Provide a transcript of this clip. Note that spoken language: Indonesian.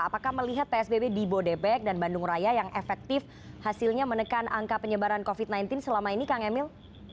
apakah melihat psbb di bodebek dan bandung raya yang efektif hasilnya menekan angka penyebaran covid sembilan belas selama ini kang emil